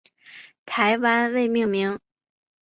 台湾未命名。